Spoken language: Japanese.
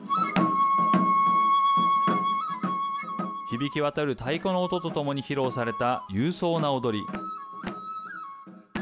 響きわたる太鼓の音とともに披露された勇壮な踊り。